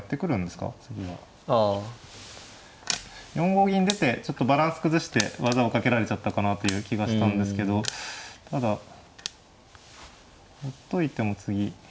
４五銀出てちょっとバランス崩して技をかけられちゃったかなという気がしたんですけどただほっといても次。